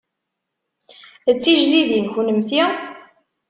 D tijdidin kunemti?